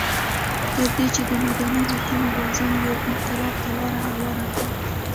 تر دې چې د مدني حقونو غورځنګ یو انقلاب ته لار هواره کړه.